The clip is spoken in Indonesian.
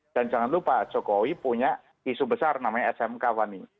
dan jangan lupa jokowi punya isu besar namanya smk wani